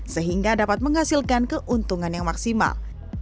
sehingga dapat menghasilkan keuntungan yang maksimal